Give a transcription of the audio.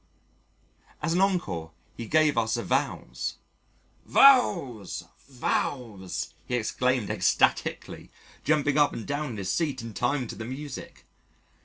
As an encore he gave us a Valse "Valse, Valse," he exclaimed ecstatically, jumping up and down in his seat in time to the music.